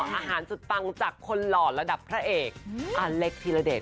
อาหารสุดปังจากคนหล่อระดับพระเอกอเล็กธีรเดช